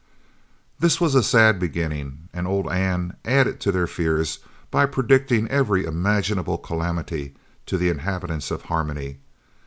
This was a sad beginning, and old Anne added to their fears by predicting every imaginable calamity to the inhabitants of Harmony.